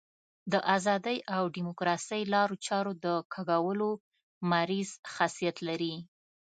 د ازادۍ او ډیموکراسۍ لارو چارو د کږولو مریض خاصیت لري.